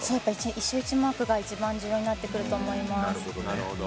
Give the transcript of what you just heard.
１周１マークが重要になってくると思います。